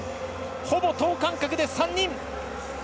ほぼ等間隔で３人！